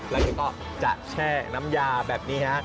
แล้วก็จะแช่น้ำยาแบบนี้ฮะ